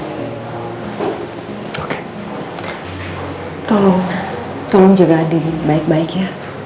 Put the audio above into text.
tolong tolong jaga andi baik baik ya